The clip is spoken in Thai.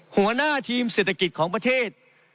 หัวหน้าทีมเศรษฐกิจของประเทศ